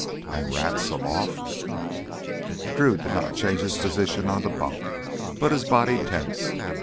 And rats aloft.... Drew did not change his position on the bunk, but his body tensed.